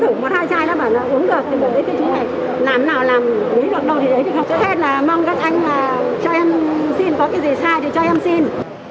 xài thì cho em xin